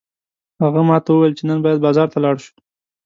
هغه ماته وویل چې نن باید بازار ته لاړ شو